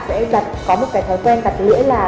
sẽ có một thói quen đặt lưỡi là